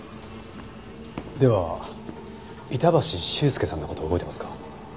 では板橋秀介さんの事覚えてますか？